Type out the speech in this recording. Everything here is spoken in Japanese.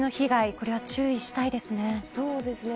これは注意したいですね。